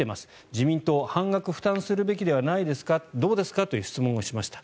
自民党半額負担するべきじゃないですかどうですかという質問をしました。